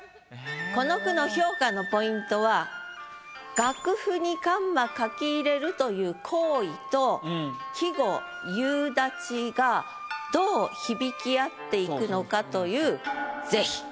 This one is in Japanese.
この句の評価のポイントは「楽譜にカンマ書き入れる」という行為と季語「夕立」がどう響きあっていくのかという是非。